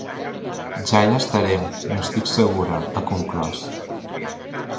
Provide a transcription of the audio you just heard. Ja hi estarem, n’estic segura, ha conclòs.